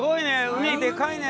海でかいね！